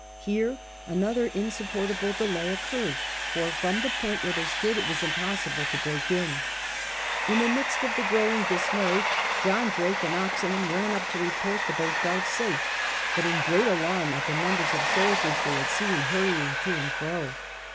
Here another insupportable delay occurred, for from the spot where they stood it was impossible to break in. In the midst of the growing dismay John Drake and Oxenham ran up to report the boat guard safe but in great alarm at the numbers of soldiers they had seen hurrying to and fro.